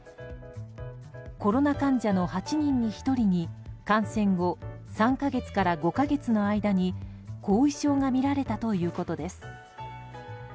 コロナ患者の８人に１人に感染後３か月から５か月の間に後遺症がみられたということです。